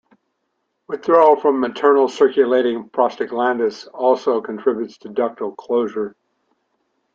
Withdrawal from maternal circulating prostaglandins also contributes to ductal closure.